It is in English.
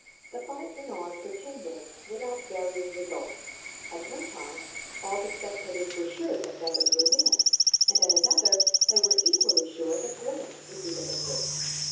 The fight went on for ten minutes with varying results. At one time all the spectators were sure that Nevers would win, and at another they were equally sure that Grant would be the victor.